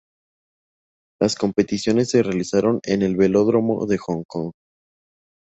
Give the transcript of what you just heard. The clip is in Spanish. Las competiciones se realizaron en el Velódromo de Hong Kong.